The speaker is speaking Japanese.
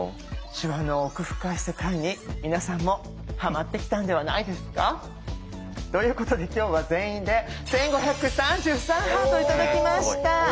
手話の奥深い世界に皆さんもはまってきたんではないですか。ということで今日は全員で１５３３ハート頂きました！